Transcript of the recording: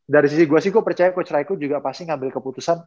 dari sisi gue sih gue percaya coach raiko juga pasti ngambil keputusan